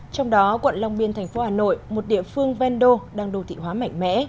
trong đó quận long biên thành phố hà nội một địa phương vendô đang đô thị hóa mạnh mẽ